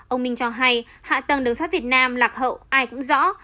ông minh cho hay hạ tầng đường sắt việt nam lạc hậu ai cũng rõ